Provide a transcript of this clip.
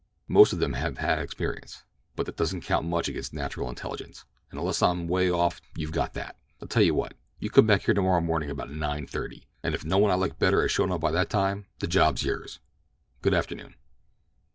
Most of them have had experience, but that doesn't count much against natural intelligence, and unless I'm way off you've got that. I'll tell you what, you come back here tomorrow morning about nine thirty, and if no one I like better has shown up by that time the job's yours. Good afternoon."